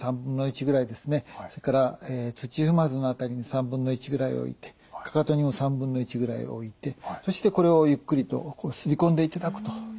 それから土踏まずの辺りに３分の１ぐらい置いてかかとにも３分の１ぐらい置いてそしてこれをゆっくりと擦り込んでいただくというふうな形になります。